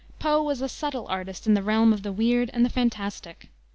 Poe was a subtle artist in the realm of the weird and the fantastic.